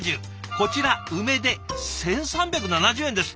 こちら梅で１，３７０円ですって。